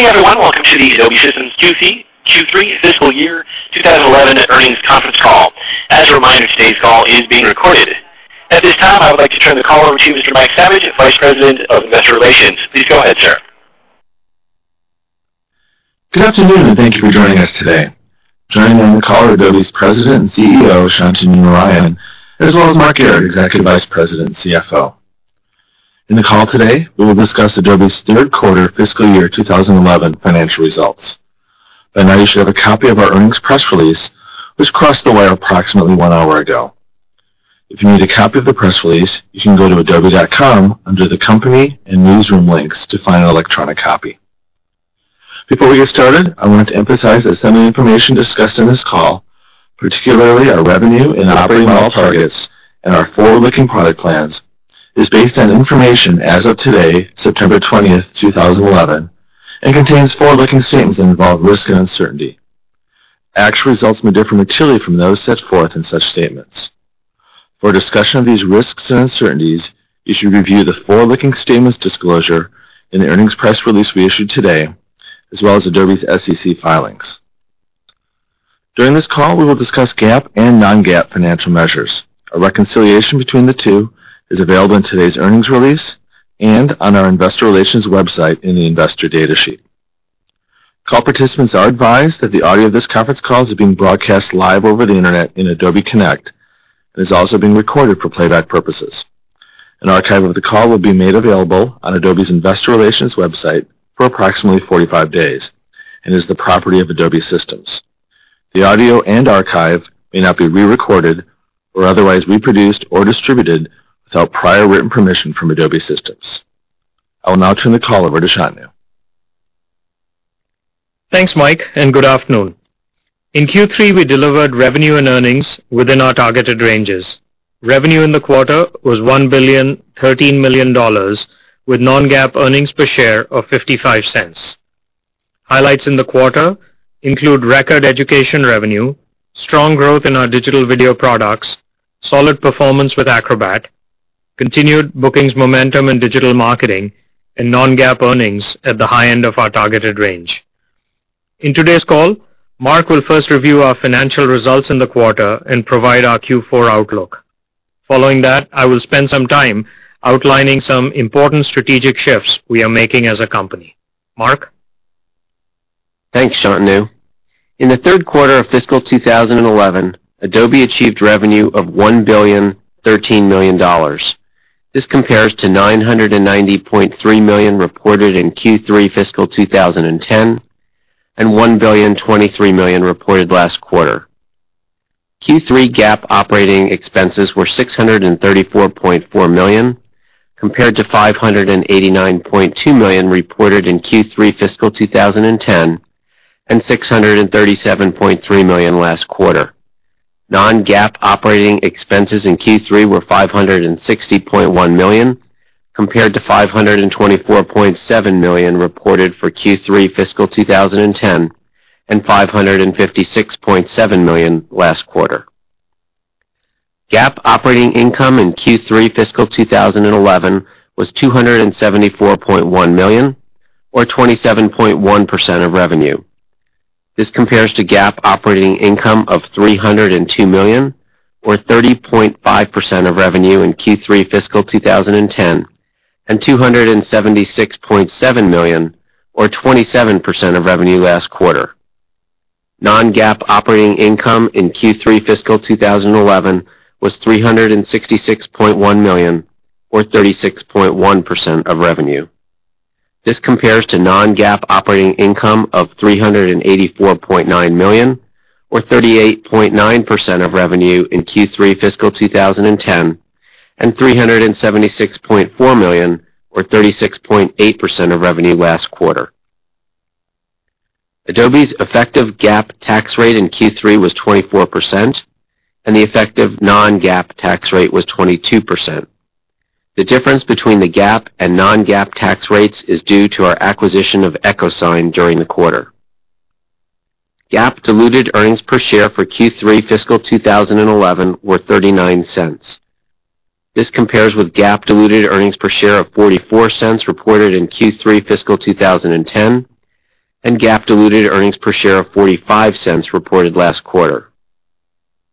Good evening, everyone. Welcome to the Adobe Systems Q3 Fiscal Year 2011 Earnings Conference Call. As a reminder, today's call is being recorded. At this time, I would like to turn the call over to Mr. Mike Saviage, Vice President of Investor Relations. Please go ahead, sir. Good afternoon, and thank you for joining us today. Joining me on the call are Adobe's President and CEO, Shantanu Narayen, as well as Mark Garrett, Executive Vice President and CFO. In the call today, we will discuss Adobe's third quarter fiscal year 2011 financial results. I now share the copy of our earnings press release, which crossed the wire approximately one hour ago. If you need a copy of the press release, you can go to adobe.com under the company and newsroom links to find an electronic copy. Before we get started, I want to emphasize that some of the information discussed in this call, particularly our revenue and operating model targets, and our forward-looking product plans, is based on information as of today, September 20th, 2011, and contains forward-looking statements that involve risk and uncertainty. Actual results may differ materially from those set forth in such statements. For discussion of these risks and uncertainties, you should review the forward-looking statements disclosure and the earnings press release we issued today, as well as Adobe's SEC filings. During this call, we will discuss GAAP and non-GAAP financial measures. A reconciliation between the two is available in today's earnings release and on our investor relations website in the investor data sheet. Call participants are advised that the audio of this conference call is being broadcast live over the internet in Adobe Connect and is also being recorded for playback purposes. An archive of the call will be made available on Adobe's investor relations website for approximately 45 days and is the property of Adobe Systems. The audio and archive may not be re-recorded or otherwise reproduced or distributed without prior written permission from Adobe Systems. I will now turn the call over to Shantanu. Thanks, Mike, and good afternoon. In Q3, we delivered revenue and earnings within our targeted ranges. Revenue in the quarter was $1,013 million, with non-GAAP earnings per share of $0.55. Highlights in the quarter include record education revenue, strong growth in our digital video products, solid performance with Acrobat, continued bookings momentum in digital marketing, and non-GAAP earnings at the high end of our targeted range. In today's call, Mark will first review our financial results in the quarter and provide our Q4 outlook. Following that, I will spend some time outlining some important strategic shifts we are making as a company. Mark? Thanks, Shantanu. In the third quarter of fiscal 2011, Adobe achieved revenue of $1,013 million. This compares to $990.3 million reported in Q3 fiscal 2010 and $1,023 million reported last quarter. Q3 GAAP operating expenses were $634.4 million, compared to $589.2 million reported in Q3 fiscal 2010 and $637.3 million last quarter. Non-GAAP operating expenses in Q3 were $560.1 million, compared to $524.7 million reported for Q3 fiscal 2010 and $556.7 million last quarter. GAAP operating income in Q3 fiscal 2011 was $274.1 million, or 27.1% of revenue. This compares to GAAP operating income of $302 million, or 30.5% of revenue in Q3 fiscal 2010, and $276.7 million, or 27% of revenue last quarter. Non-GAAP operating income in Q3 fiscal 2011 was $366.1 million, or 36.1% of revenue. This compares to non-GAAP operating income of $384.9 million, or 38.9% of revenue in Q3 fiscal 2010, and $376.4 million, or 36.8% of revenue last quarter. Adobe's effective GAAP tax rate in Q3 was 24%, and the effective non-GAAP tax rate was 22%. The difference between the GAAP and non-GAAP tax rates is due to our acquisition of EchoSign during the quarter. GAAP diluted earnings per share for Q3 fiscal 2011 were $0.39. This compares with GAAP diluted earnings per share of $0.44 reported in Q3 fiscal 2010 and GAAP diluted earnings per share of $0.45 reported last quarter.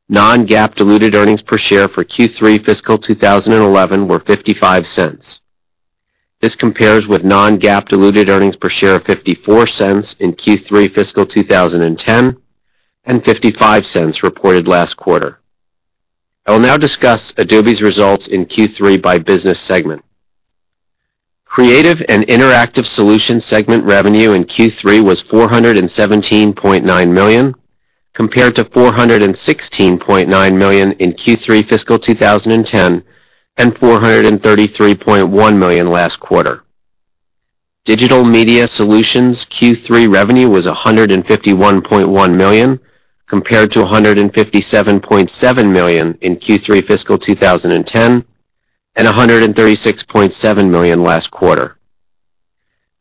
Non-GAAP diluted earnings per share for Q3 fiscal 2011 were $0.55. This compares with non-GAAP diluted earnings per share of $0.54 in Q3 fiscal 2010 and $0.55 reported last quarter. I will now discuss Adobe's results in Q3 by business segment. Creative and interactive solutions segment revenue in Q3 was $417.9 million, compared to $416.9 million in Q3 fiscal 2010 and $433.1 million last quarter. Digital media solutions Q3 revenue was $151.1 million, compared to $157.7 million in Q3 fiscal 2010 and $136.7 million last quarter.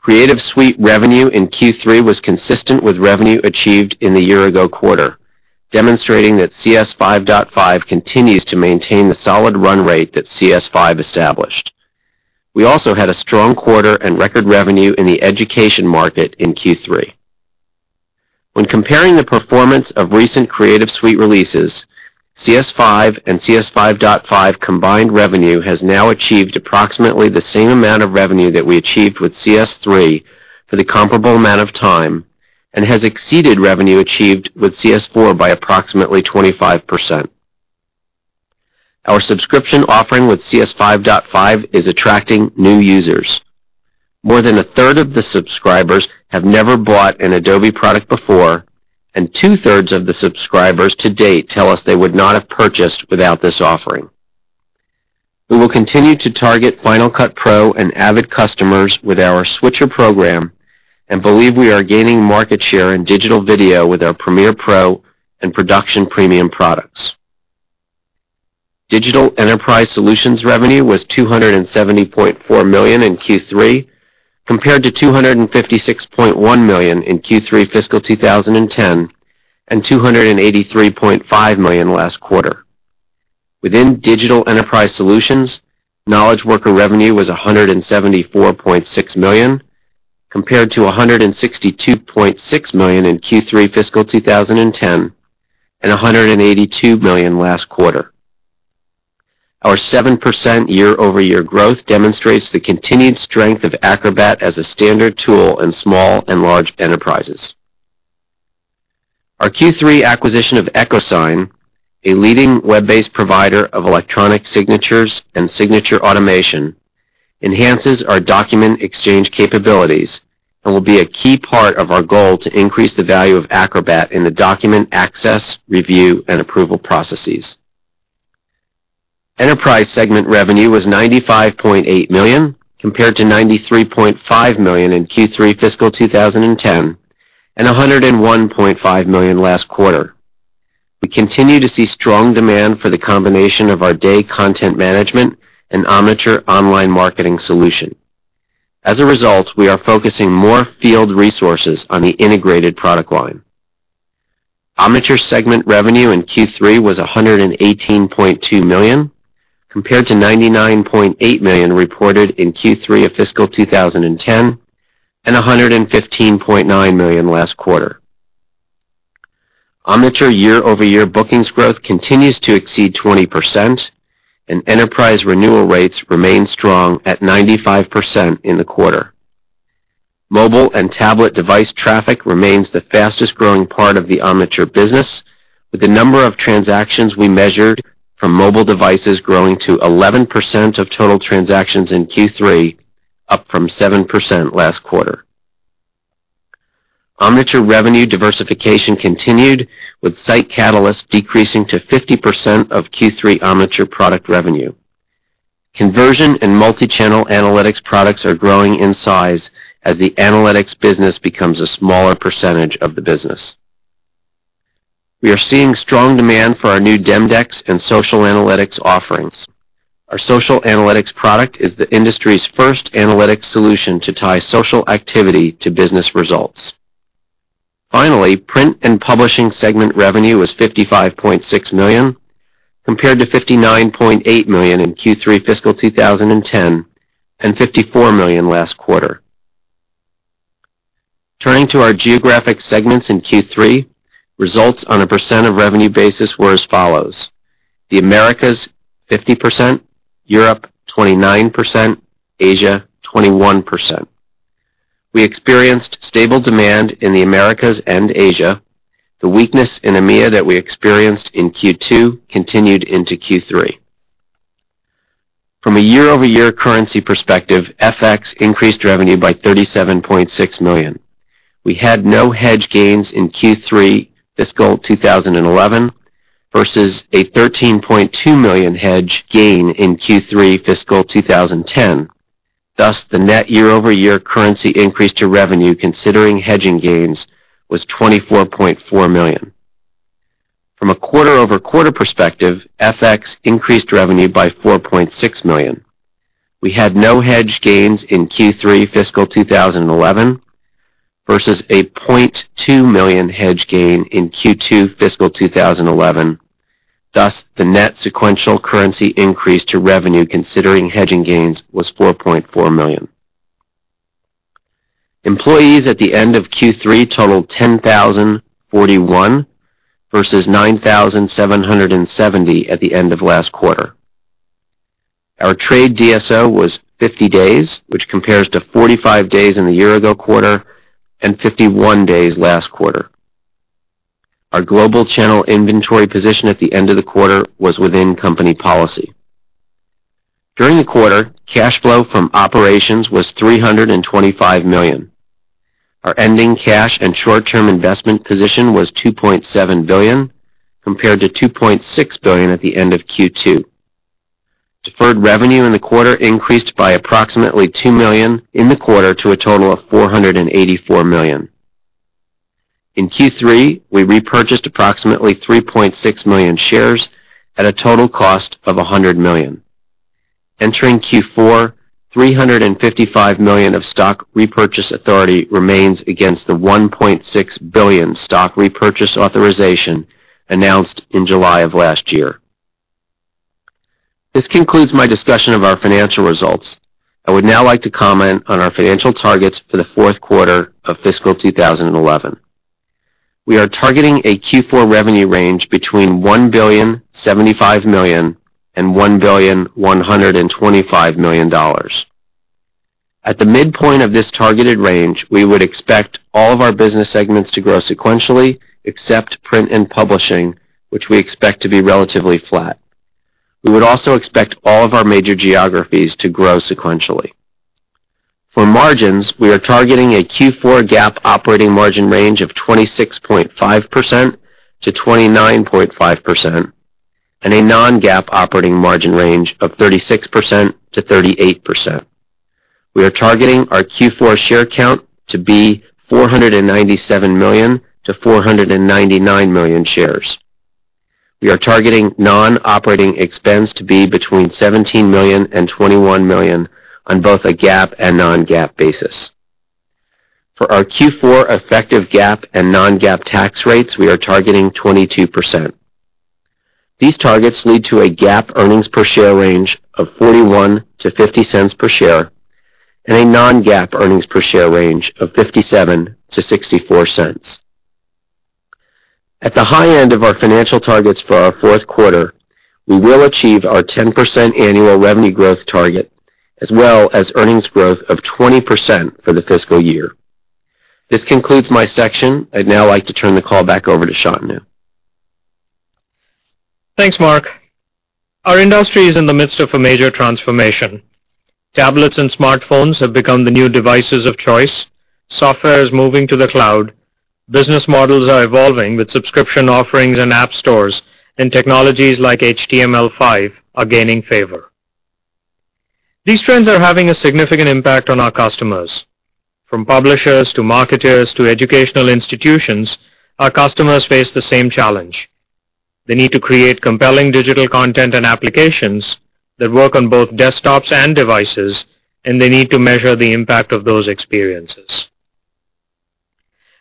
Creative Suite revenue in Q3 was consistent with revenue achieved in the year-ago quarter, demonstrating that CS5.5 continues to maintain the solid run rate that CS5 established. We also had a strong quarter and record revenue in the education market in Q3. When comparing the performance of recent Creative Suite releases, CS5 and CS5.5 combined revenue has now achieved approximately the same amount of revenue that we achieved with CS3 for the comparable amount of time and has exceeded revenue achieved with CS4 by approximately 25%. Our subscription offering with CS5.5 is attracting new users. More than 1/3 of the subscribers have never bought an Adobe product before, and 2/3 of the subscribers to date tell us they would not have purchased without this offering. We will continue to target Final Cut Pro and Avid customers with our switcher program and believe we are gaining market share in digital video with our Premiere Pro and Production Premium products. Digital enterprise solutions revenue was $270.4 million in Q3, compared to $256.1 million in Q3 fiscal 2010 and $283.5 million last quarter. Within digital enterprise solutions, knowledge worker revenue was $174.6 million, compared to $162.6 million in Q3 fiscal 2010 and $182 million last quarter. Our 7% year-over-year growth demonstrates the continued strength of Acrobat as a standard tool in small and large enterprises. Our Q3 acquisition of EchoSign, a leading web-based provider of electronic signatures and signature automation, enhances our document exchange capabilities and will be a key part of our goal to increase the value of Acrobat in the document access, review, and approval processes. Enterprise segment revenue was $95.8 million, compared to $93.5 million in Q3 fiscal 2010 and $101.5 million last quarter. We continue to see strong demand for the combination of our Day content management and Omniture online marketing solution. As a result, we are focusing more field resources on the integrated product line. Omniture segment revenue in Q3 was $118.2 million, compared to $99.8 million reported in Q3 of fiscal 2010 and $115.9 million last quarter. Omniture year-over-year bookings growth continues to exceed 20%, and enterprise renewal rates remain strong at 95% in the quarter. Mobile and tablet device traffic remains the fastest growing part of the Omniture business, with the number of transactions we measured from mobile devices growing to 11% of total transactions in Q3, up from 7% last quarter. Omniture revenue diversification continued, with SiteCatalyst decreasing to 50% of Q3 Omniture product revenue. Conversion and multi-channel analytics products are growing in size as the analytics business becomes a smaller percentage of the business. We are seeing strong demand for our new Demdex and social analytics offerings. Our social analytics product is the industry's first analytics solution to tie social activity to business results. Finally, print and publishing segment revenue was $55.6 million, compared to $59.8 million in Q3 fiscal 2010 and $54 million last quarter. Turning to our geographic segments in Q3, results on a percent of revenue basis were as follows: the Americas 50%, Europe 29%, Asia 21%. We experienced stable demand in the Americas and Asia. The weakness in EMEA that we experienced in Q2 continued into Q3. From a year-over-year currency perspective, FX increased revenue by $37.6 million. We had no hedge gains in Q3 fiscal 2011 versus a $13.2 million hedge gain in Q3 fiscal 2010. Thus, the net year-over-year currency increase to revenue considering hedging gains was $24.4 million. From a quarter-over-quarter perspective, FX increased revenue by $4.6 million. We had no hedge gains in Q3 fiscal 2011 versus a $0.2 million hedge gain in Q2 fiscal 2011. Thus, the net sequential currency increase to revenue considering hedging gains was $4.4 million. Employees at the end of Q3 totaled 10,041 versus 9,770 at the end of last quarter. Our trade DSO was 50 days, which compares to 45 days in the year-ago quarter and 51 days last quarter. Our global channel inventory position at the end of the quarter was within company policy. During the quarter, cash flow from operations was $325 million. Our ending cash and short-term investment position was $2.7 billion, compared to $2.6 billion at the end of Q2. Deferred revenue in the quarter increased by approximately $2 million in the quarter to a total of $484 million. In Q3, we repurchased approximately 3.6 million shares at a total cost of $100 million. Entering Q4, $355 million of stock repurchase authority remains against the $1.6 billion stock repurchase authorization announced in July of last year. This concludes my discussion of our financial results. I would now like to comment on our financial targets for the fourth quarter of fiscal 2011. We are targeting a Q4 revenue range between $1.075 billion and $1.125 billion. At the midpoint of this targeted range, we would expect all of our business segments to grow sequentially except print and publishing, which we expect to be relatively flat. We would also expect all of our major geographies to grow sequentially. For margins, we are targeting a Q4 GAAP operating margin range of 26.5%-29.5% and a non-GAAP operating margin range of 36%-38%. We are targeting our Q4 share count to be 497 million-499 million shares. We are targeting non-operating expense to be between $17 million and $21 million on both a GAAP and non-GAAP basis. For our Q4 effective GAAP and non-GAAP tax rates, we are targeting 22%. These targets lead to a GAAP earnings per share range of $0.41-$0.50 per share and a non-GAAP earnings per share range of $0.57-$0.64. At the high end of our financial targets for our fourth quarter, we will achieve our 10% annual revenue growth target, as well as earnings growth of 20% for the fiscal year. This concludes my section. I'd now like to turn the call back over to Shantanu. Thanks, Mark. Our industry is in the midst of a major transformation. Tablets and smartphones have become the new devices of choice. Software is moving to the cloud. Business models are evolving with subscription offerings and app stores, and technologies like HTML5 are gaining favor. These trends are having a significant impact on our customers. From publishers to marketers to educational institutions, our customers face the same challenge. They need to create compelling digital content and applications that work on both desktops and devices, and they need to measure the impact of those experiences.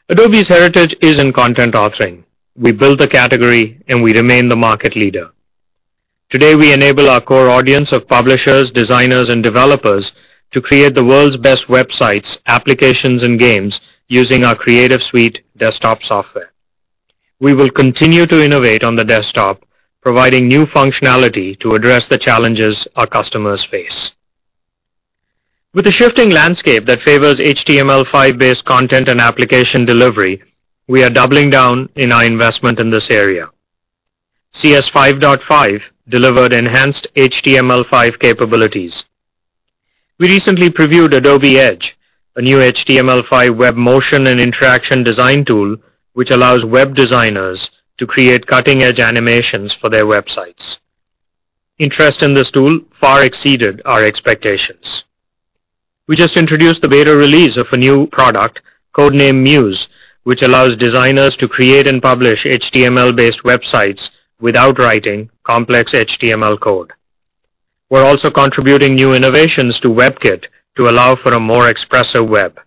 Adobe's heritage is in content authoring. We built the category, and we remain the market leader. Today, we enable our core audience of publishers, designers, and developers to create the world's best websites, applications, and games using our Creative Suite desktop software. We will continue to innovate on the desktop, providing new functionality to address the challenges our customers face. With a shifting landscape that favors HTML5-based content and application delivery, we are doubling down in our investment in this area. CS5.5 delivered enhanced HTML5 capabilities. We recently previewed Adobe Edge, a new HTML5 web motion and interaction design tool which allows web designers to create cutting-edge animations for their websites. Interest in this tool far exceeded our expectations. We just introduced the beta release of a new product, code name Muse, which allows designers to create and publish HTML-based websites without writing complex HTML code. We're also contributing new innovations to WebKit to allow for a more expressive web.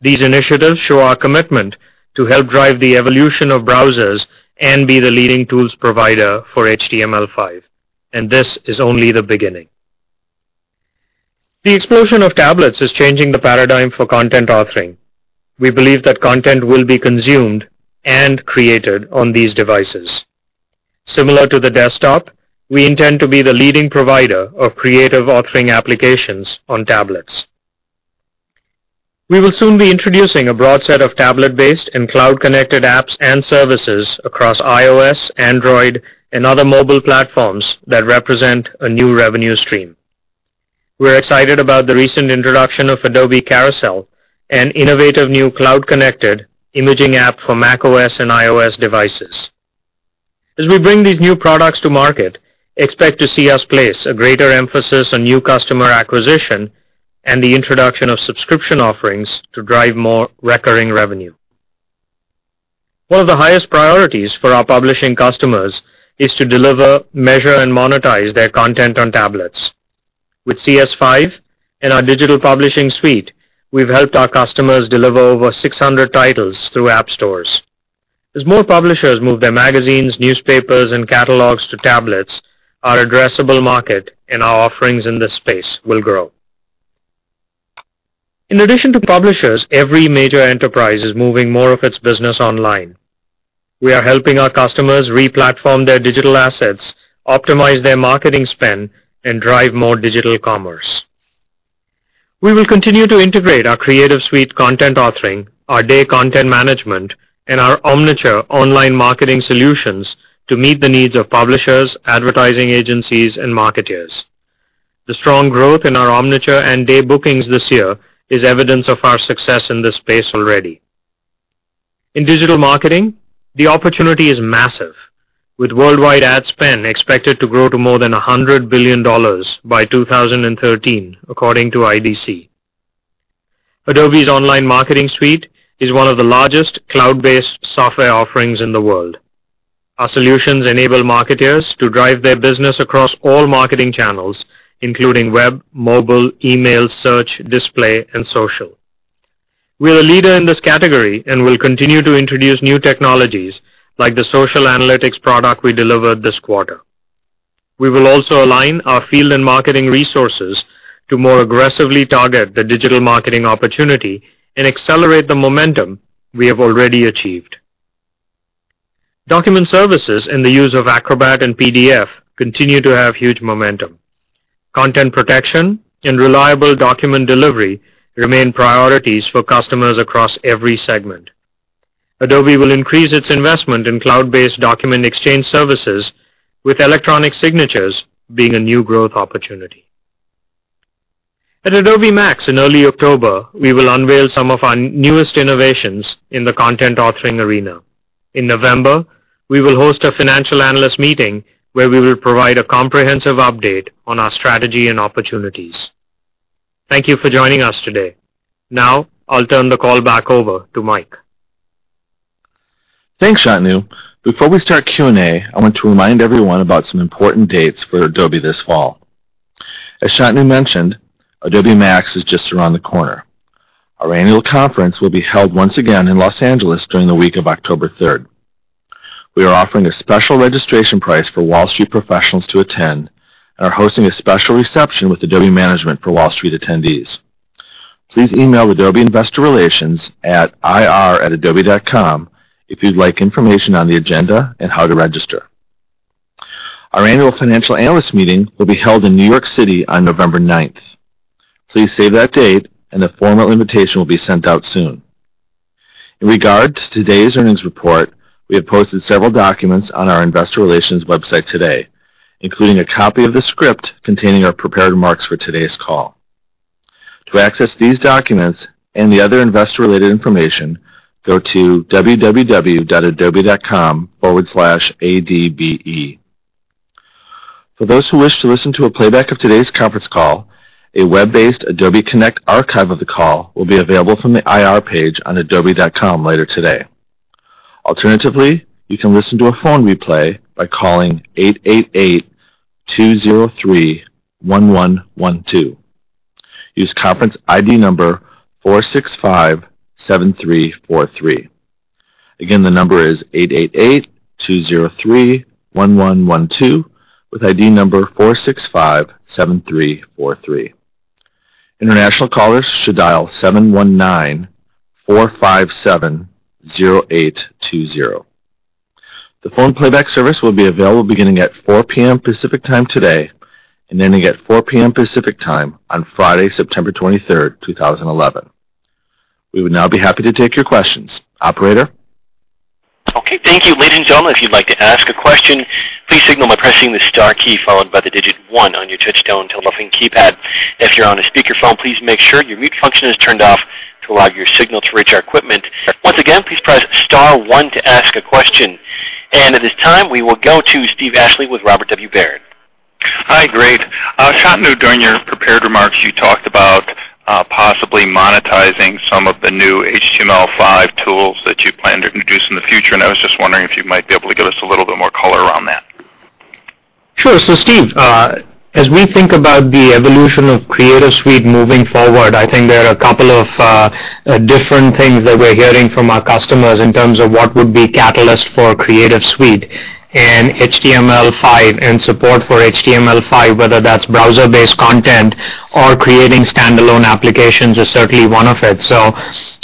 These initiatives show our commitment to help drive the evolution of browsers and be the leading tools provider for HTML5, and this is only the beginning. The explosion of tablets is changing the paradigm for content authoring. We believe that content will be consumed and created on these devices. Similar to the desktop, we intend to be the leading provider of creative authoring applications on tablets. We will soon be introducing a broad set of tablet-based and cloud-connected apps and services across iOS, Android, and other mobile platforms that represent a new revenue stream. We're excited about the recent introduction of Adobe Carousel, an innovative new cloud-connected imaging app for macOS and iOS devices. As we bring these new products to market, expect to see us place a greater emphasis on new customer acquisition and the introduction of subscription offerings to drive more recurring revenue. One of the highest priorities for our publishing customers is to deliver, measure, and monetize their content on tablets. With CS5.5 and our Digital Publishing Suite, we've helped our customers deliver over 600 titles through app stores. As more publishers move their magazines, newspapers, and catalogs to tablets, our addressable market and our offerings in this space will grow. In addition to publishers, every major enterprise is moving more of its business online. We are helping our customers re-platform their digital assets, optimize their marketing spend, and drive more digital commerce. We will continue to integrate our Creative Suite content authoring, our Day content management, and our Omniture online marketing solutions to meet the needs of publishers, advertising agencies, and marketers. The strong growth in our Omniture and Day bookings this year is evidence of our success in this space already. In digital marketing, the opportunity is massive, with worldwide ad spend expected to grow to more than $100 billion by 2013, according to IDC. Adobe's Online Marketing Suite is one of the largest cloud-based software offerings in the world. Our solutions enable marketers to drive their business across all marketing channels, including web, mobile, email, search, display, and social. We're a leader in this category and will continue to introduce new technologies like the social analytics product we delivered this quarter. We will also align our field and marketing resources to more aggressively target the digital marketing opportunity and accelerate the momentum we have already achieved. Document services and the use of Acrobat and PDF continue to have huge momentum. Content protection and reliable document delivery remain priorities for customers across every segment. Adobe will increase its investment in cloud-based document exchange services, with electronic signatures being a new growth opportunity. At Adobe MAX in early October, we will unveil some of our newest innovations in the content authoring arena. In November, we will host a financial analyst meeting where we will provide a comprehensive update on our strategy and opportunities. Thank you for joining us today. Now, I'll turn the call back over to Mike. Thanks, Shantanu. Before we start Q&A, I want to remind everyone about some important dates for Adobe this fall. As Shantanu mentioned, Adobe MAX is just around the corner. Our annual conference will be held once again in Los Angeles during the week of October 3rd. We are offering a special registration price for Wall Street professionals to attend and are hosting a special reception with Adobe management for Wall Street attendees. Please email Adobe investor relations at ir@adobe.com if you'd like information on the agenda and how to register. Our annual financial analyst meeting will be held in New York City on November 9th. Please save that date, and a formal invitation will be sent out soon. In regard to today's earnings report, we have posted several documents on our investor relations website today, including a copy of the script containing our prepared remarks for today's call. To access these documents and the other investor-related information, go to www.adobe.com/adbe. For those who wish to listen to a playback of today's conference call, a web-based Adobe Connect archive of the call will be available from the IR page on adobe.com later today. Alternatively, you can listen to a phone replay by calling eight eight eight two zero three one one one two. Use conference ID number four six five seven three four three. Again, the number is eight eight eight two zero three one one one two with ID four six five seven three four three. International callers should dial seven one nine four five seven zero eight two zero. The phone playback service will be available beginning at 4:00 P.M. Pacific Time today and ending at 4:00 P.M. Pacific Time on Friday, September 23rd, 2011. We would now be happy to take your questions. Operator? Okay. Thank you. Ladies and gentlemen, if you'd like to ask a question, please signal by pressing the star key followed by the digit one on your touch-tone telephone keypad. If you're on a speaker phone, please make sure your mute function is turned off to allow your signal to reach our equipment. Once again, please press star one to ask a question. At this time, we will go to Steve Ashley with Robert W. Baird. Hi, Greg. Shantanu, during your prepared remarks, you talked about possibly monetizing some of the new HTML5 tools that you plan to introduce in the future. I was just wondering if you might be able to give us a little bit more color around that. Sure. As we think about the evolution of Creative Suite moving forward, I think there are a couple of different things that we're hearing from our customers in terms of what would be a catalyst for Creative Suite and HTML5 and support for HTML5, whether that's browser-based content or creating standalone applications, is certainly one of it.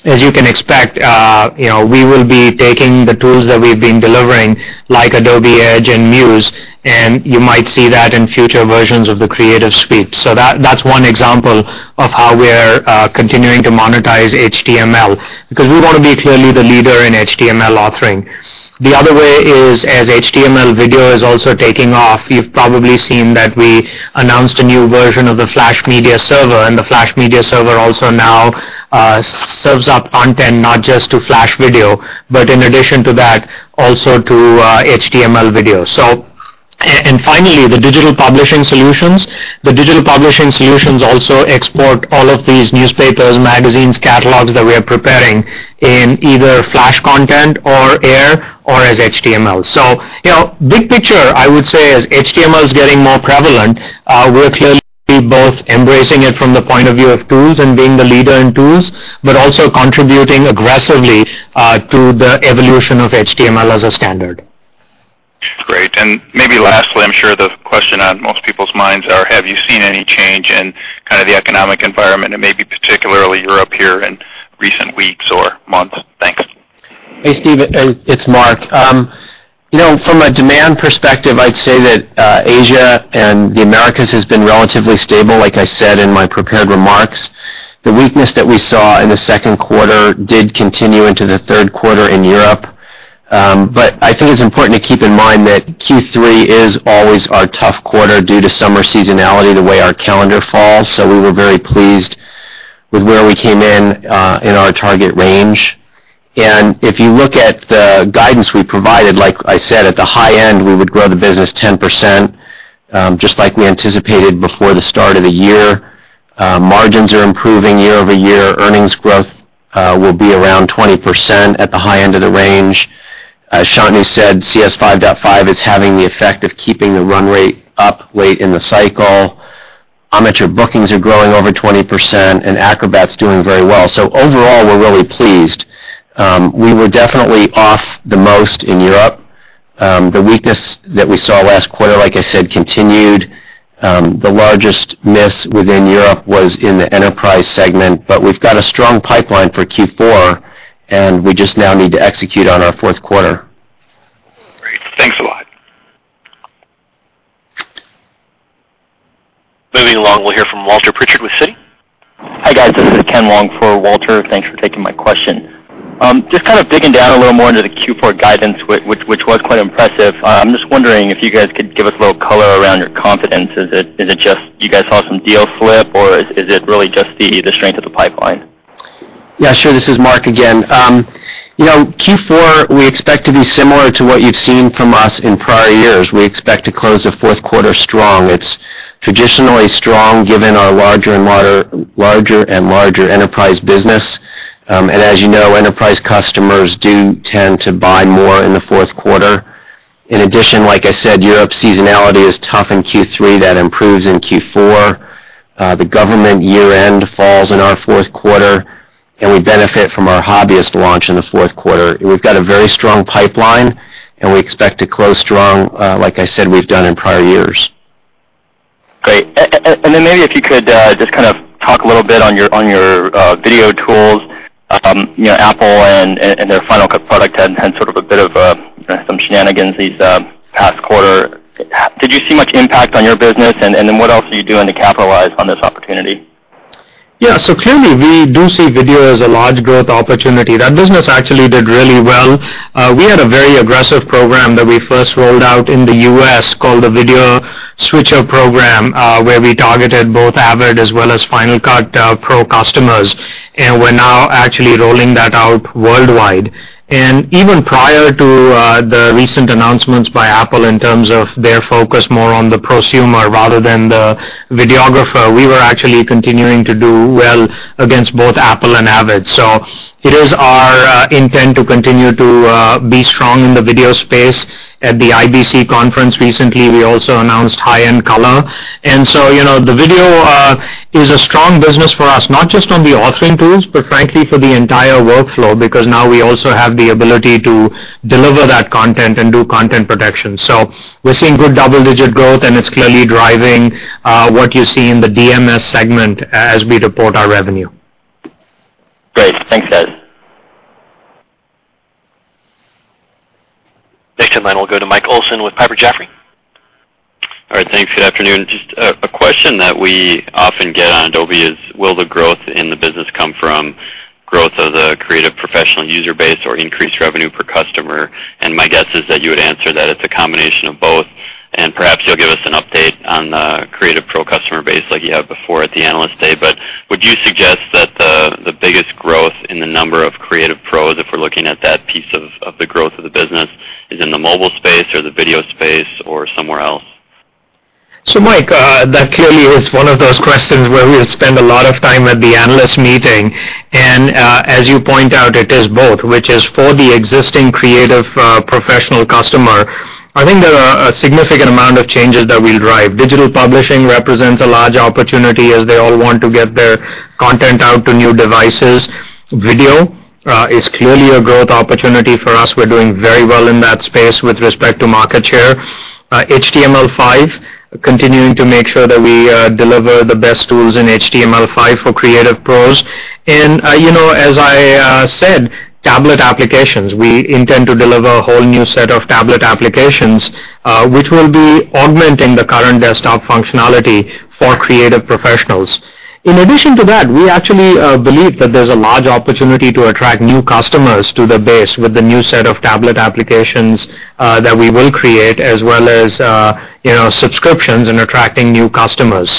As you can expect, we will be taking the tools that we've been delivering, like Adobe Edge and Muse, and you might see that in future versions of the Creative Suite. That's one example of how we're continuing to monetize HTML because we want to be clearly the leader in HTML authoring. The other way is, as HTML video is also taking off, you've probably seen that we announced a new version of the Flash Media Server, and the Flash Media Server also now serves up content not just to Flash video, but in addition to that, also to HTML video. Finally, the digital publishing solutions also export all of these newspapers, magazines, catalogs that we are preparing in either Flash content or AIR or as HTML. Big picture, I would say, as HTML is getting more prevalent, we're clearly both embracing it from the point of view of tools and being the leader in tools, but also contributing aggressively to the evolution of HTML as a standard. Great. Maybe lastly, I'm sure the question on most people's minds is, have you seen any change in the economic environment, and maybe particularly Europe here in recent weeks or months? Hey, Steve. It's Mark. You know, from a demand perspective, I'd say that Asia and the Americas have been relatively stable, like I said in my prepared remarks. The weakness that we saw in the second quarter did continue into the third quarter in Europe, but I thought it was important to keep in mind that Q3 is always a tough quarter due to summer seasonality, the way our calendar falls. We were very pleased with where we came in in our target range. If you look at the guidance we provided, like I said, at the high end, we would grow the business 10%, just like we anticipated before the start of the year. Margins are improving year-over-year. Earnings growth will be around 20% at the high end of the range. Shantanu said CS5.5 is having the effect of keeping the run rate up late in the cycle. Omniture bookings are growing over 20%, and Acrobat is doing very well. Overall, we're really pleased. We were definitely off the most in Europe. The weakness that we saw last quarter, like I said, continued. The largest miss within Europe was in the enterprise segment, but we've got a strong pipeline for Q4, and we just now need to execute on our fourth quarter. Thanks a lot. Moving along, we'll hear from Walter Pritchard with Citi. Hi, guys. This is Ken Leung for Walter. Thanks for taking my question. Just kind of digging down a little more into the Q4 guidance, which was quite impressive. I'm just wondering if you guys could give us a little color around your confidence. Is it just you guys saw some deal flip, or is it really just the strength of the pipeline? Yeah, sure. This is Mark again. Q4, we expect to be similar to what you've seen from us in prior years. We expect to close the fourth quarter strong. It's traditionally strong given our larger and larger enterprise business. As you know, enterprise customers do tend to buy more in the fourth quarter. In addition, like I said, Europe's seasonality is tough in Q3. That improves in Q4. The government year-end falls in our fourth quarter, and we benefit from our hobbyist launch in the fourth quarter. We've got a very strong pipeline, and we expect to close strong, like I said, we've done in prior years. Great. Maybe if you could just kind of talk a little bit on your video tools. Apple and their Final Cut product had sort of a bit of some shenanigans these past quarters. Did you see much impact on your business? What else are you doing to capitalize on this opportunity? Yeah. Currently, we do see video as a large growth opportunity. That business actually did really well. We had a very aggressive program that we first rolled out in the U.S. called the video switcher program, where we targeted both Avid as well as Final Cut Pro customers. We're now actually rolling that out worldwide. Even prior to the recent announcements by Apple in terms of their focus more on the prosumer rather than the videographer, we were actually continuing to do well against both Apple and Avid. It is our intent to continue to be strong in the video space. At the IBC conference recently, we also announced high-end color. The video is a strong business for us, not just on the authoring tools, but frankly, for the entire workflow because now we also have the ability to deliver that content and do content protection. We're seeing good double-digit growth, and it's clearly driving what you see in the DMS segment as we report our revenue. Great. Thanks, Ed. Next in line, we will go to Mike Olson with Piper Jaffray. All right. Thanks. Good afternoon. Just a question that we often get on Adobe is, will the growth in the business come from growth of the creative professional user base or increased revenue per customer? My guess is that you would answer that it's a combination of both. Perhaps you'll give us an update on the creative pro customer base like you have before at the analyst day. Would you suggest that the biggest growth in the number of creative pros, if we're looking at that piece of the growth of the business, is in the mobile space or the video space or somewhere else? Mike, that clearly is one of those questions where we'll spend a lot of time at the analyst meeting. As you point out, it is both, which is for the existing creative professional customer. I think there are a significant amount of changes that we'll drive. Digital publishing represents a large opportunity as they all want to get their content out to new devices. Video is clearly a growth opportunity for us. We're doing very well in that space with respect to market share. HTML5, continuing to make sure that we deliver the best tools in HTML5 for creative pros. As I said, tablet applications, we intend to deliver a whole new set of tablet applications, which will be augmenting the current desktop functionality for creative professionals. In addition to that, we actually believe that there's a large opportunity to attract new customers to the base with the new set of tablet applications that we will create, as well as subscriptions and attracting new customers.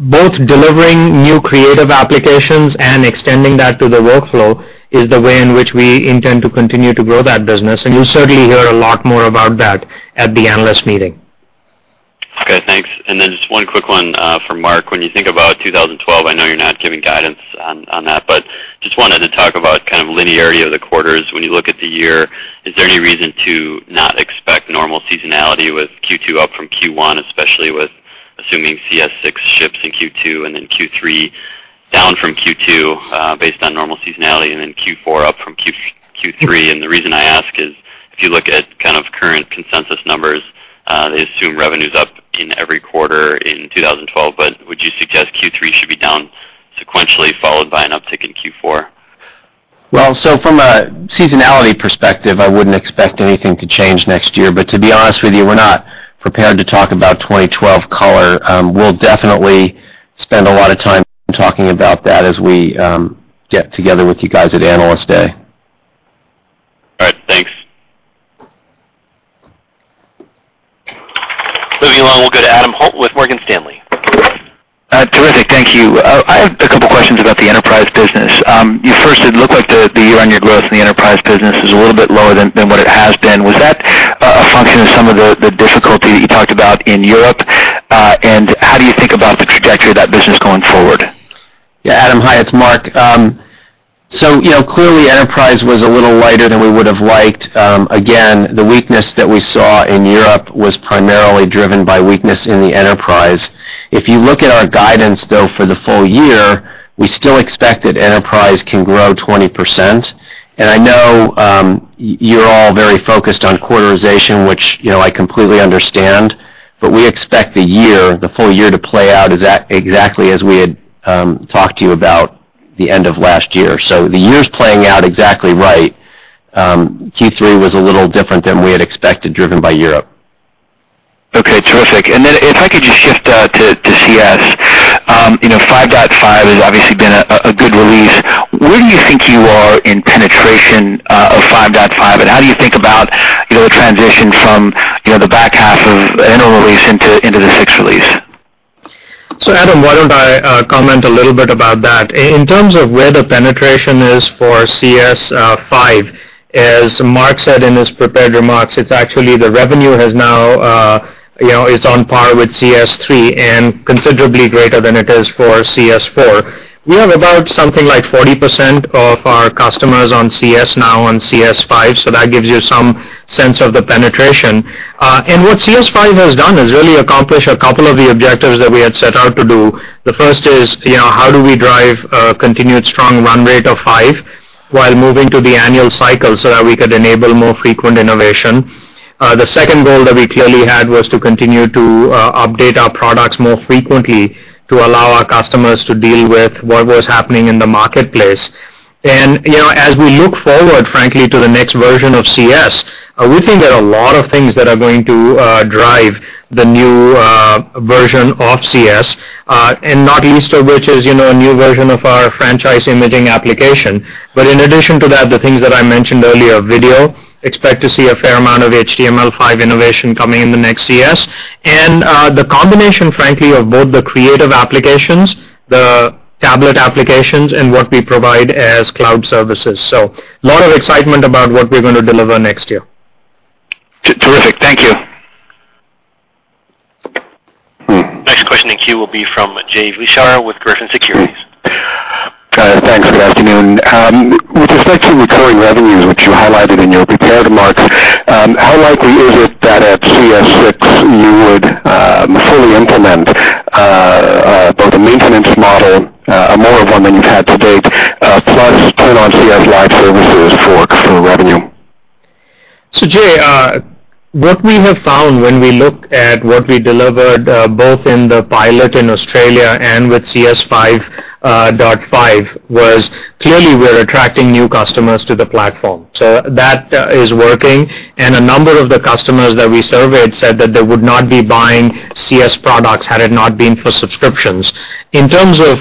Both delivering new creative applications and extending that to the workflow is the way in which we intend to continue to grow that business. You'll certainly hear a lot more about that at the analyst meeting. Good. Thanks. Just one quick one for Mark. When you think about 2012, I know you're not giving guidance on that, but just wanted to talk about kind of linearity of the quarters. When you look at the year, is there any reason to not expect normal seasonality with Q2 up from Q1, especially with assuming CS6 ships in Q2 and then Q3 down from Q2 based on normal seasonality, and then Q4 up from Q3? The reason I ask is, if you look at kind of current consensus numbers, they assume revenue is up in every quarter in 2012. Would you suggest Q3 should be down sequentially followed by an uptick in Q4? From a seasonality perspective, I wouldn't expect anything to change next year. To be honest with you, we're not prepared to talk about 2012 color. We'll definitely spend a lot of time talking about that as we get together with you guys at analyst day. Moving along, we'll go to Adam Holt with Morgan Stanley. Hi, Phillip. Thank you. I had a couple of questions about the enterprise business. First, it looked like the year-on-year growth in the enterprise business is a little bit lower than what it has been. Was that a function of some of the difficulty that you talked about in Europe? How do you think about the trajectory of that business going forward? Yeah, Adam. Hi, it's Mark. Clearly, enterprise was a little lighter than we would have liked. The weakness that we saw in Europe was primarily driven by weakness in the enterprise. If you look at our guidance for the full year, we still expect that enterprise can grow 20%. I know you're all very focused on quarterization, which I completely understand. We expect the year, the full year, to play out exactly as we had talked to you about at the end of last year. The year is playing out exactly right. Q3 was a little different than we had expected, driven by Europe. Okay. Terrific. If I could just shift to CS5.5, it has obviously been a good release. Where do you think you are in penetration of CS5.5? How do you think about the transition from the back half of the annual release into the sixth release? Adam, why don't I comment a little bit about that? In terms of where the penetration is for CS5, as Mark said in his prepared remarks, the revenue is now on par with CS3 and considerably greater than it is for CS4. We have about 40% of our customers on CS now on CS5. That gives you some sense of the penetration. What CS5 has done is really accomplish a couple of the objectives that we had set out to do. The first is, how do we drive a continued strong run rate of CS5 while moving to the annual cycle so that we could enable more frequent innovation? The second goal that we clearly had was to continue to update our products more frequently to allow our customers to deal with what was happening in the marketplace. As we look forward, frankly, to the next version of CS, we think there are a lot of things that are going to drive the new version of CS, not least of which is a new version of our franchise imaging application. In addition to that, the things that I mentioned earlier, video, expect to see a fair amount of HTML5 innovation coming in the next CS. The combination of both the creative applications, the tablet applications, and what we provide as cloud services is exciting. There is a lot of excitement about what we're going to deliver next year. Terrific. Thank you. Next question will be from Jay Vleeschhouwer with Griffin Securities. Got it. Thanks. Good afternoon. With respect to recurring revenue, which you highlighted in your prepared remarks, how likely is it that CS5 would have to take a focus on CS5 versus for revenue? Jay, what we have found when we look at what we delivered both in the pilot in Australia and with CS5.5 was clearly we're attracting new customers to the platform. That is working. A number of the customers that we surveyed said that they would not be buying CS products had it not been for subscriptions. In terms of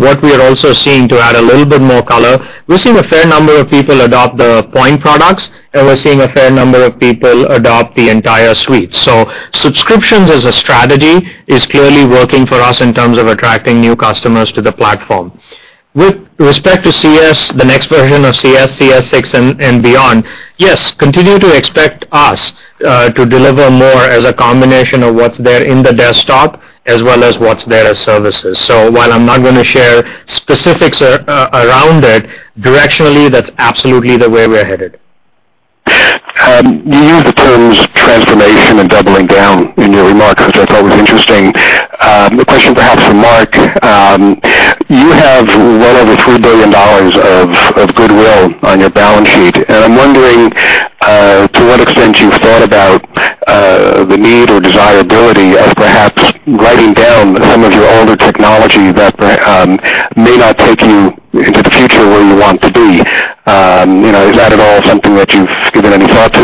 what we are also seeing to add a little bit more color, we're seeing a fair number of people adopt the point products, and we're seeing a fair number of people adopt the entire suite. Subscriptions as a strategy are clearly working for us in terms of attracting new customers to the platform. With respect to CS, the next version of CS, CS6, and beyond, yes, continue to expect us to deliver more as a combination of what's there in the desktop as well as what's there as services. While I'm not going to share specifics around it, directionally, that's absolutely the way we're headed. You used the term transformation and doubling down in your remarks, which I thought was interesting. A question perhaps for Mark. You have over $3 billion of goodwill on your balance sheet. I'm wondering to what extent you've thought about the need or desirability of perhaps writing down some of your older technology that may not take you in the future where you want to be. Is that at all something that you've given any thought to?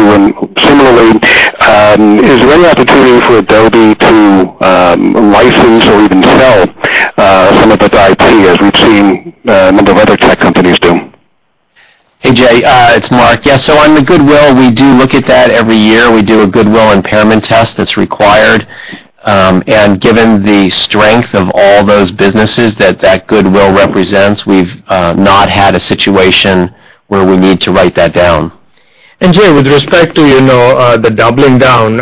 Similarly, is there any opportunity for Adobe to license or even sell some of the guys that you have reached in the domestic tech company too? Hey, Jay. It's Mark. On the goodwill, we do look at that every year. We do a goodwill impairment test that's required. Given the strength of all those businesses that that goodwill represents, we've not had a situation where we need to write that down. Jay, with respect to the doubling down,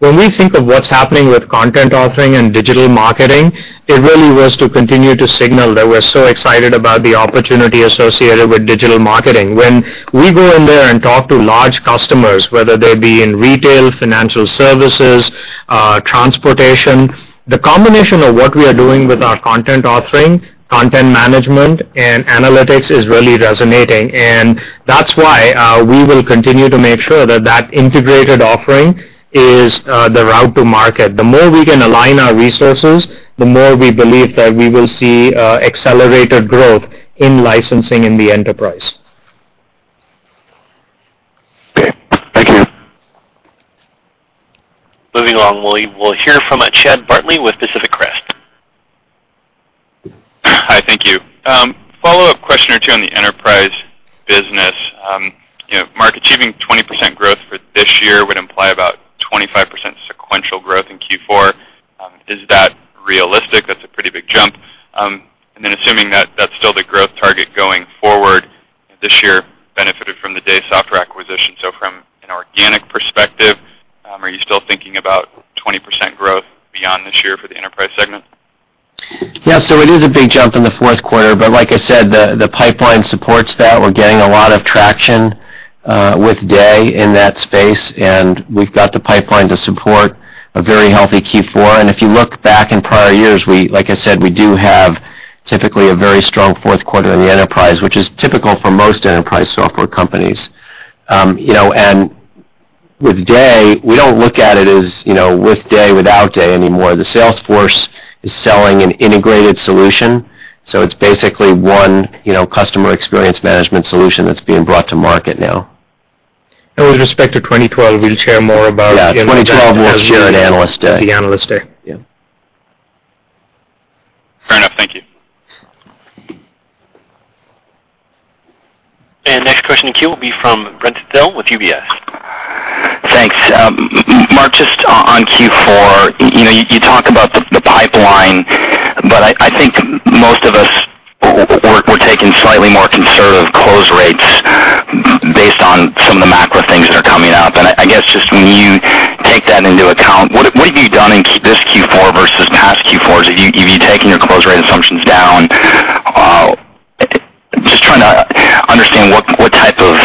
when we think of what's happening with content authoring and digital marketing, it really was to continue to signal that we're so excited about the opportunity associated with digital marketing. When we go in there and talk to large customers, whether they'll be in retail, financial services, transportation, the combination of what we are doing with our content authoring, content management, and analytics is really resonating. That's why we will continue to make sure that that integrated offering is the route to market. The more we can align our resources, the more we believe that we will see accelerated growth in licensing in the enterprise. Thank you. Moving along, we'll hear from Chad Bartley with Pacific Crest. Hi. Thank you. Follow-up question or two on the enterprise business. You know, Mark, achieving 20% growth for this year would imply about 25% sequential growth in Q4. Is that realistic? That's a pretty big jump. Assuming that that's still the growth target going forward, this year benefited from the Day Software acquisition. From an organic perspective, are you still thinking about 20% growth beyond this year for the enterprise segment? Yeah, it is a big jump in the fourth quarter. Like I said, the pipeline supports that. We're getting a lot of traction with Day in that space, and we've got the pipeline to support a very healthy Q4. If you look back in prior years, like I said, we do have typically a very strong fourth quarter of the enterprise, which is typical for most enterprise software companies. With Day, we don't look at it as with Day, without Day anymore. The Salesforce is selling an integrated solution. It's basically one customer experience management solution that's being brought to market now. With respect to 2012, we'll share more about. That 2012 will show at Analyst Day. The Analyst Day, yeah. Fair enough. Thank you. The next question in the queue will be from Brent Thill with UBS. Thanks. Mark, just on Q4, you talked about the pipeline. I think most of us that were taking slightly more conservative close rates based on some of the macro things that are coming up. I guess just when you take that into account, what have you done in this Q4 versus the past Q4? Have you taken your close rate assumptions down? Just trying to understand what type of.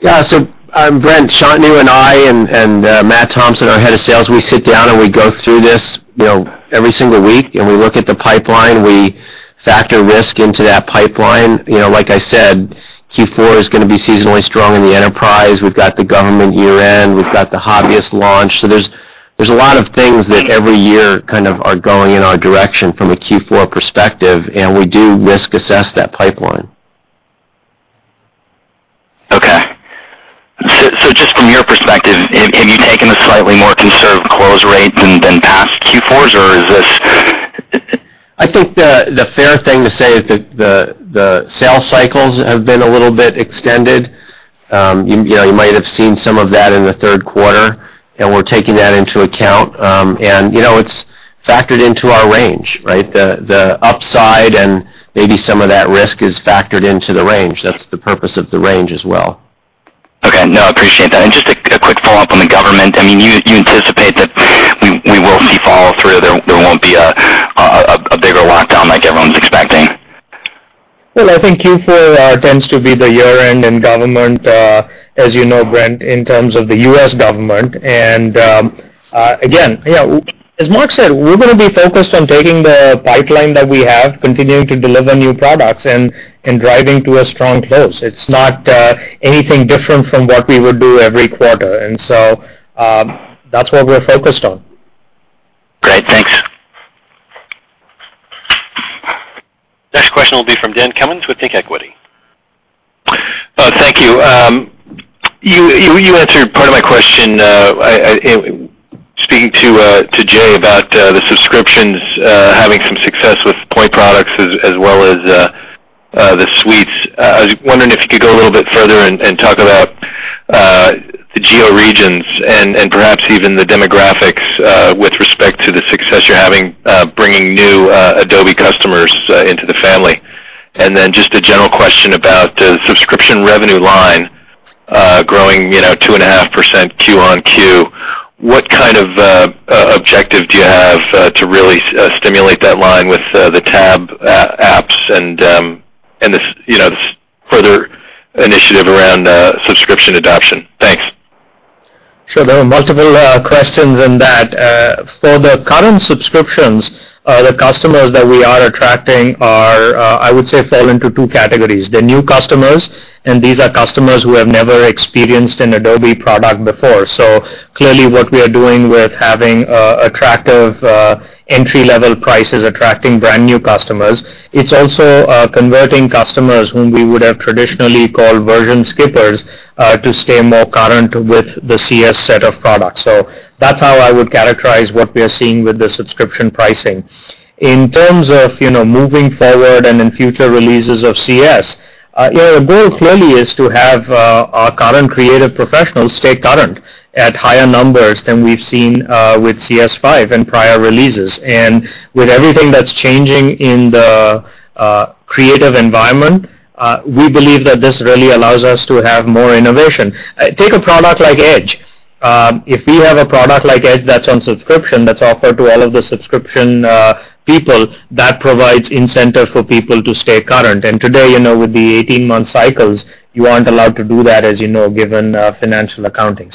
Yeah. Brent, Shantanu and I and Matt Thompson, our Head of Sales, we sit down and we go through this every single week, and we look at the pipeline. We factor risk into that pipeline. Like I said, Q4 is going to be seasonally strong in the enterprise. We've got the government year-end. We've got the hobbyist launch. There are a lot of things that every year kind of are going in our direction from a Q4 perspective, and we do risk assess that pipeline. From your perspective, have you taken a slightly more conservative close rate than Q4, or is it? I think the fair thing to say is that the sales cycles have been a little bit extended. You might have seen some of that in the third quarter, and we're taking that into account. It's factored into our range, right? The upside and maybe some of that risk is factored into the range. That's the purpose of the range as well. Okay. No, I appreciate that. Just a quick follow-up on the government. I mean, you anticipate that we will see follow-through. There won't be a bigger lockdown like everyone's expecting. Q4 tends to be the year-end and government, as you know, Brent, in terms of the U.S. government. As Mark said, we're going to be focused on taking the pipeline that we have, continuing to deliver new products, and driving to a strong close. It's not anything different from what we would do every quarter. That's what we're focused on. Great. Thanks. Next question will be from Dan Cummins with ThinkEquity. Thank you. You answered part of my question, speaking to Jay about the subscriptions having some success with point products as well as the suites. I was wondering if you could go a little bit further and talk about the geo-regions and perhaps even the demographics with respect to the success you're having bringing new Adobe customers into the family. I have a general question about the subscription revenue line growing 2.5% Q on Q. What kind of objective do you have to really stimulate that line with the tablet applications and this further initiative around subscription adoption? Thanks. Sure. There are multiple questions in that. For the current subscriptions, the customers that we are attracting, I would say, fall into two categories. The new customers, and these are customers who have never experienced an Adobe product before. Clearly, what we are doing with having attractive entry-level prices attracting brand new customers, it's also converting customers whom we would have traditionally called version skippers to stay more current with the CS set of products. That's how I would characterize what we are seeing with the subscription pricing. In terms of moving forward and in future releases of CS, our goal clearly is to have our current creative professionals stay current at higher numbers than we've seen with CS5 and prior releases. With everything that's changing in the creative environment, we believe that this really allows us to have more innovation. Take a product like Edge. If we have a product like Edge that's on subscription, that's offered to all of the subscription people, that provides incentive for people to stay current. Today, with the 18-month cycles, you aren't allowed to do that, as you know, given financial accounting.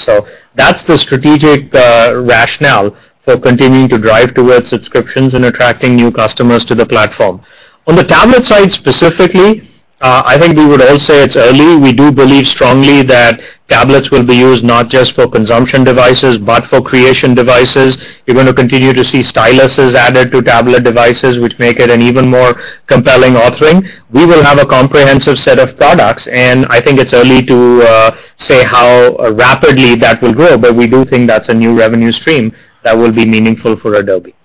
That's the strategic rationale for continuing to drive towards subscriptions and attracting new customers to the platform. On the tablet side specifically, I think we would all say it's early. We do believe strongly that tablets will be used not just for consumption devices but for creation devices. You're going to continue to see styluses added to tablet devices, which make it an even more compelling offering. We will have a comprehensive set of products, and I think it's early to say how rapidly that will grow. We do think that's a new revenue stream that will be meaningful for Adobe.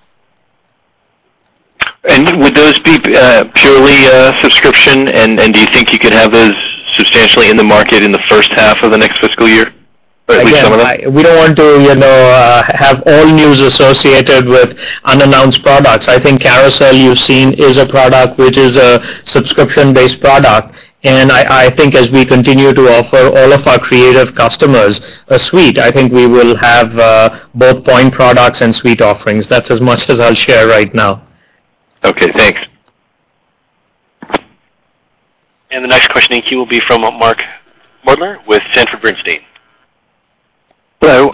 Would those be purely subscription, and do you think you could have those substantially in the market in the first half of the next fiscal year? We don't want to have end-use associated with unannounced products. I think Carousel you've seen is a product which is a subscription-based product. I think as we continue to offer all of our creative customers a suite, we will have both point products and suite offerings. That's as much as I'll share right now. Okay. Thanks. The next question in the queue will be from Mark Moerdler with Sanford C. Bernstein. Hello.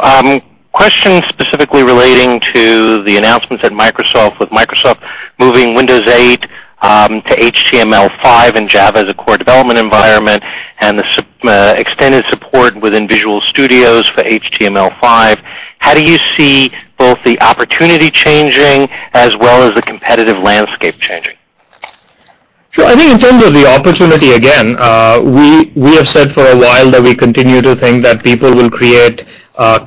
Question specifically relating to the announcements at Microsoft with Microsoft moving Windows 8 to HTML5 and Java as a core development environment, and the extended support within Visual Studios for HTML5. How do you see both the opportunity changing as well as the competitive landscape changing? Sure. I think in terms of the opportunity, again, we have said for a while that we continue to think that people will create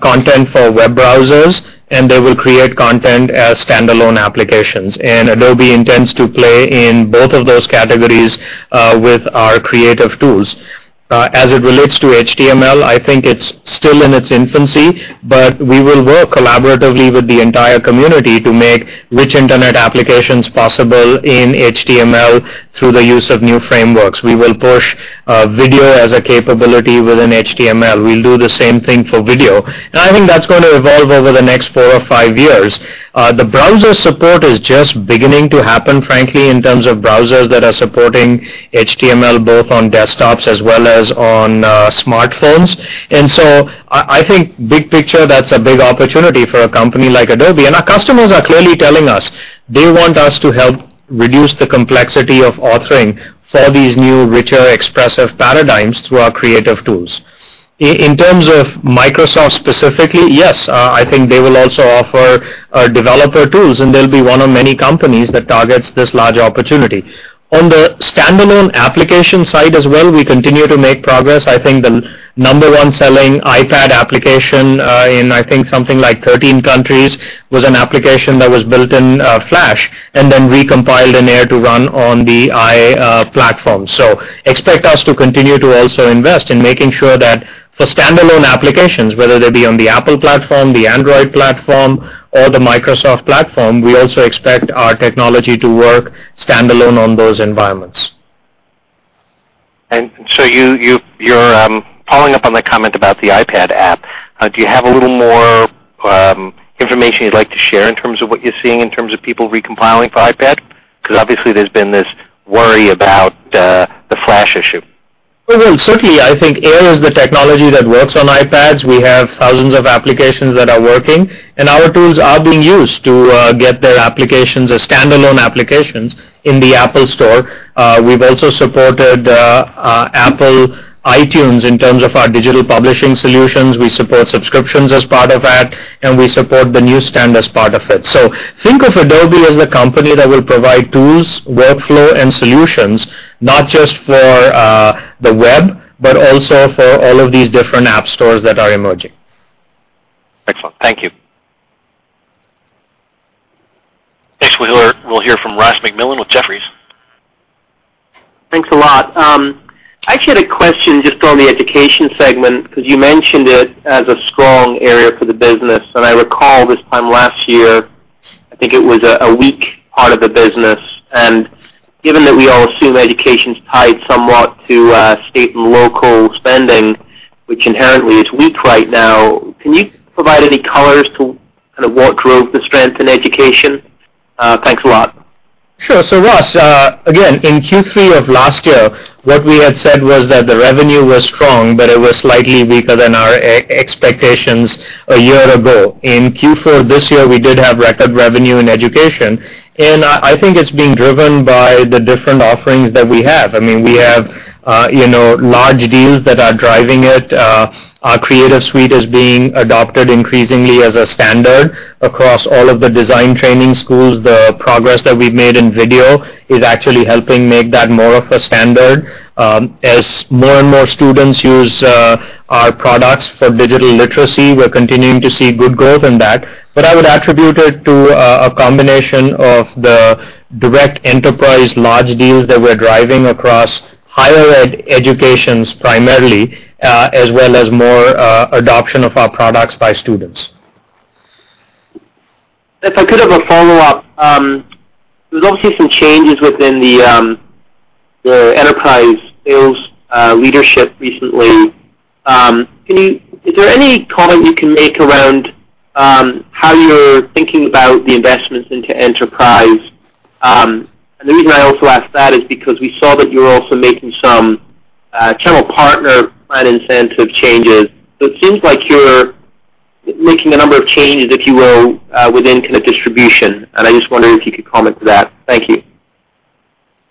content for web browsers, and they will create content as standalone applications. Adobe intends to play in both of those categories with our creative tools. As it relates to HTML, I think it's still in its infancy, but we will work collaboratively with the entire community to make rich internet applications possible in HTML through the use of new frameworks. We will push video as a capability within HTML. We will do the same thing for video. I think that's going to evolve over the next four or five years. The browser support is just beginning to happen, frankly, in terms of browsers that are supporting HTML both on desktops as well as on smartphones. I think big picture, that's a big opportunity for a company like Adobe. Our customers are clearly telling us they want us to help reduce the complexity of authoring for these new, richer, expressive paradigms through our creative tools. In terms of Microsoft specifically, yes, I think they will also offer developer tools, and they'll be one of many companies that targets this large opportunity. On the standalone application side as well, we continue to make progress. I think the number one selling iPad application in, I think, something like 13 countries was an application that was built in Flash and then recompiled in AIR to run on the iPlatform. Expect us to continue to also invest in making sure that for standalone applications, whether they be on the Apple platform, the Android platform, or the Microsoft platform, we also expect our technology to work standalone on those environments. You're following up on the comment about the iPad app. Do you have a little more information you'd like to share in terms of what you're seeing in terms of people recompiling for iPad? Obviously, there's been this worry about the Flash issue. I think AIR is the technology that works on iPads. We have thousands of applications that are working, and our tools are being used to get their applications as standalone applications in the Apple Store. We've also supported Apple iTunes in terms of our digital publishing solutions. We support subscriptions as part of that, and we support the newsstand as part of it. Think of Adobe as the company that will provide tools, workflow, and solutions, not just for the web, but also for all of these different app stores that are emerging. Excellent. Thank you. Next, we'll hear from Ross MacMillan with Jefferies. Thanks a lot. I actually had a question just on the education segment because you mentioned it as a strong area for the business. I recall this time last year, I think it was a weak part of the business. Given that we all assume education is tied somewhat to state and local spending, which inherently is weak right now, can you provide any colors to kind of what drove the strength in education? Thanks a lot. Sure. Ross, again, in Q3 of last year, what we had said was that the revenue was strong, but it was slightly weaker than our expectations a year ago. In Q4 of this year, we did have record revenue in education. I think it's being driven by the different offerings that we have. We have large deals that are driving it. Our Creative Suite is being adopted increasingly as a standard across all of the design training schools. The progress that we've made in video is actually helping make that more of a standard. As more and more students use our products for digital literacy, we're continuing to see good growth in that. I would attribute it to a combination of the direct enterprise large deals that we're driving across higher education primarily, as well as more adoption of our products by students. If I could have a follow-up, there's obviously some changes within the enterprise sales leadership recently. Is there any comment you can make around how you're thinking about the investments into enterprise? The reason I also asked that is because we saw that you're also making some channel partner plan incentive changes. It seems like you're making a number of changes, if you will, within kind of distribution. I just wondered if you could comment to that. Thank you.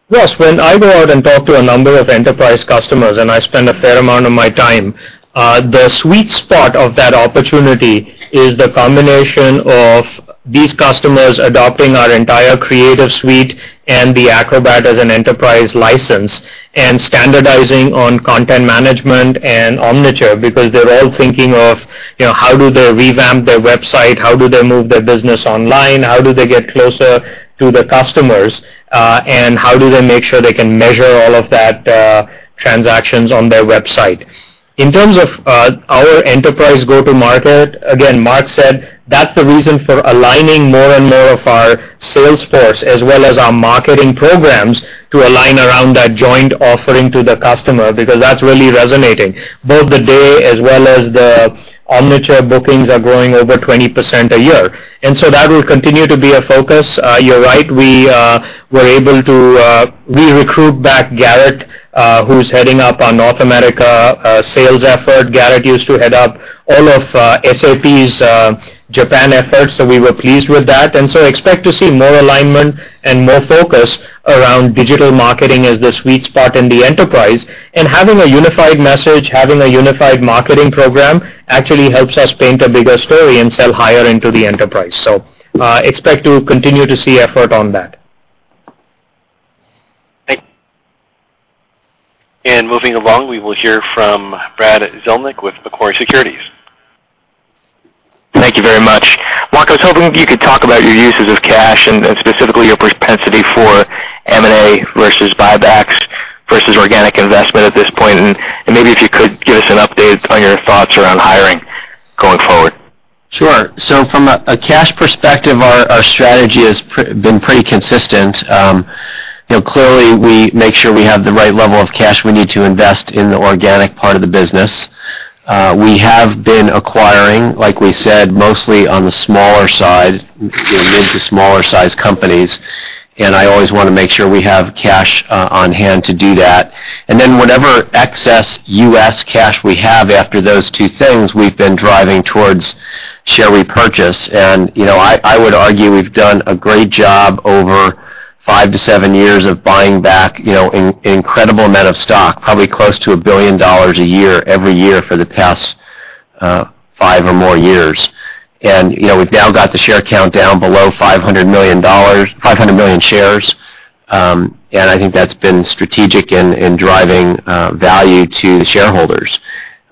Yes. When I go out and talk to a number of enterprise customers, and I spend a fair amount of my time, the sweet spot of that opportunity is the combination of these customers adopting our entire Creative Suite and Acrobat as an enterprise license and standardizing on content management and Omniture because they're all thinking of how do they revamp their website, how do they move their business online, how do they get closer to the customers, and how do they make sure they can measure all of the transactions on their website. In terms of our enterprise go-to-market, again, Mark said that's the reason for aligning more and more of our sales force as well as our marketing programs to align around that joint offering to the customer because that's really resonating. Both the Day as well as the Omniture bookings are growing over 20% a year, and that will continue to be a focus. You're right. We were able to re-recruit back Garrett, who's heading up our North America sales effort. Garrett used to head up all of SAP's Japan efforts, so we were pleased with that. Expect to see more alignment and more focus around digital marketing as the sweet spot in the enterprise. Having a unified message and having a unified marketing program actually helps us paint a bigger story and sell higher into the enterprise. Expect to continue to see effort on that. Moving along, we will hear from Brad Zelnick with Macquarie Securities. Thank you very much. Mark, I was hoping you could talk about your uses of cash and specifically your propensity for M&A versus buybacks versus organic investment at this point. Maybe if you could give us an update on your thoughts around hiring going forward. Sure. From a cash perspective, our strategy has been pretty consistent. Clearly, we make sure we have the right level of cash we need to invest in the organic part of the business. We have been acquiring, like we said, mostly on the smaller side, new to smaller-sized companies. I always want to make sure we have cash on hand to do that. Whatever excess U.S. cash we have after those two things, we've been driving towards, shall we purchase? I would argue we've done a great job over five to seven years of buying back an incredible amount of stock, probably close to $1 billion a year every year for the past five or more years. We've now got the share count down below 500 million shares. I think that's been strategic in driving value to the shareholders.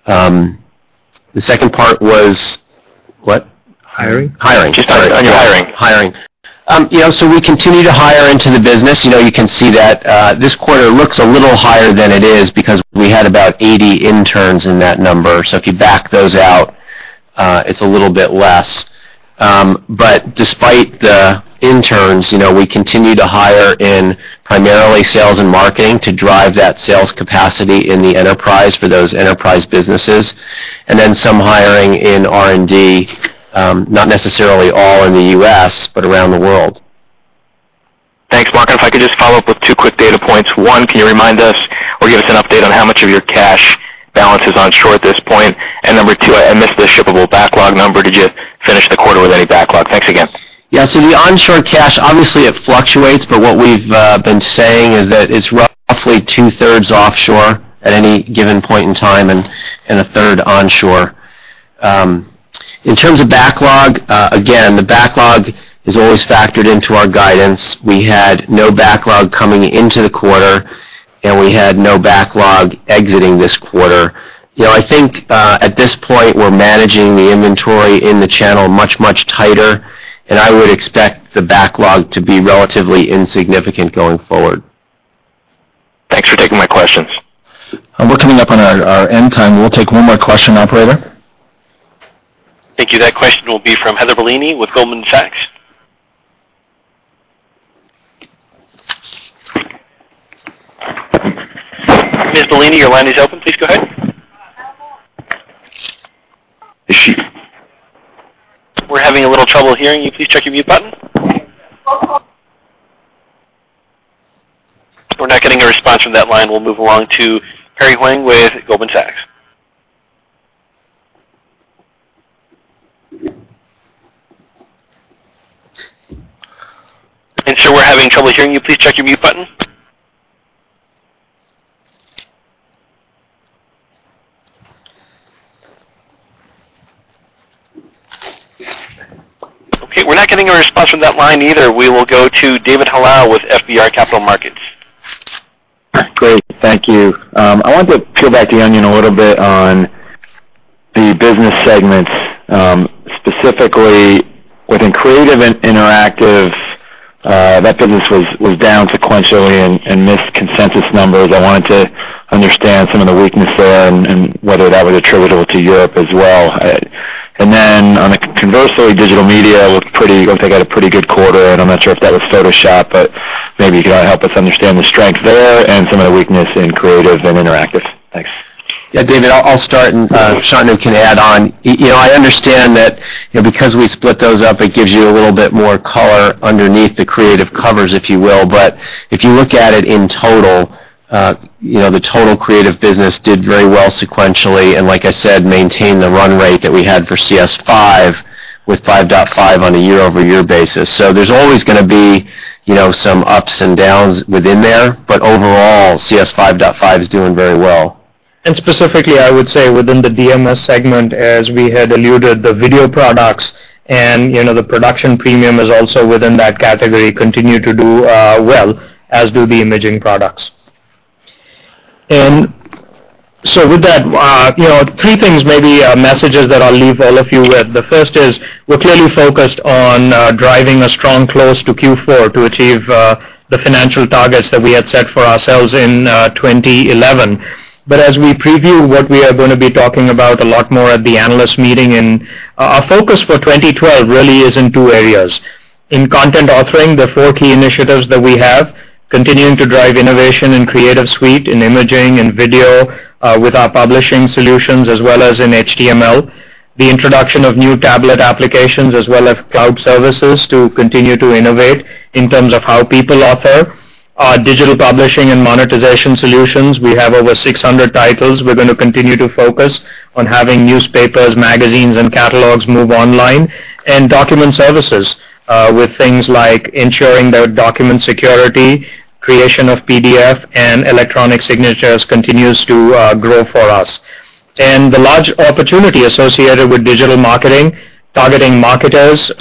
The second part was what? Hiring. Hiring. Just hiring. We continue to hire into the business. You can see that this quarter looks a little higher than it is because we had about 80 interns in that number. If you back those out, it's a little bit less. Despite the interns, we continue to hire in primarily sales and marketing to drive that sales capacity in the enterprise for those enterprise businesses. There is also some hiring in R&D, not necessarily all in the U.S., but around the world. Thanks, Mark. If I could just follow up with two quick data points. One, can you remind us or give us an update on how much of your cash balance is onshore at this point? Number two, I missed the shippable backlog number. Did you finish the quarter with any backlog? Thanks again. Yeah. The onshore cash, obviously, fluctuates, but what we've been saying is that it's roughly 2/3 offshore at any given point in time and 1/3 onshore. In terms of backlog, the backlog is always factored into our guidance. We had no backlog coming into the quarter, and we had no backlog exiting this quarter. I think at this point, we're managing the inventory in the channel much, much tighter. I would expect the backlog to be relatively insignificant going forward. Thanks for taking my questions. We're coming up on our end time. We'll take one more question, operator. Thank you. That question will be from Heather Bellini with Goldman Sachs. Hey, Ms. Bellini, your line is open. Please go ahead. Is she? We're having a little trouble hearing you. Could you check your mute button? We're not getting a response from that line. We'll move along to Perry Huang with Goldman Sachs. Sir, we're having trouble hearing you. Please check your mute button. We're not getting a response from that line either. We will go to David Hilal with FBR Capital Markets. Great. Thank you. I want to go back in a little bit on the business segment. Specifically, within creative and interactive, that business was down sequentially and missed consensus numbers. I wanted to understand some of the weakness there and whether that was attributable to Europe as well. On the convertible digital media, we've got a pretty good quarter. I'm not sure if that was Photoshop, but maybe you could help us understand the strength there and some of the weakness in creative and interactive. Thanks. Yeah, David, I'll start. Shantanu can add on. I understand that because we split those up, it gives you a little bit more color underneath the creative covers, if you will. If you look at it in total, the total creative business did very well sequentially. Like I said, maintained the run rate that we had for CS5 with CS5.5 on a year-over-year basis. There's always going to be some ups and downs within there. Overall, CS5.5 is doing very well. Specifically, I would say within the DMS segment, as we had alluded, the video products and the Production Premium is also within that category, continue to do well, as do the imaging products. With that, three things, maybe messages that I'll leave all of you with. The first is we're clearly focused on driving a strong close to Q4 to achieve the financial targets that we had set for ourselves in 2011. As we preview what we are going to be talking about a lot more at the analyst meeting, our focus for 2012 really is in two areas. In content authoring, the four key initiatives that we have are continuing to drive innovation in Creative Suite, in imaging, in video with our publishing solutions, as well as in HTML. The introduction of new tablet applications, as well as cloud services, will continue to innovate in terms of how people author. Our digital publishing and monetization solutions have over 600 titles. We're going to continue to focus on having newspapers, magazines, and catalogs move online. Document services with things like ensuring that document security, creation of PDF, and electronic signatures continues to grow for us. The large opportunity associated with digital marketing is targeting marketers.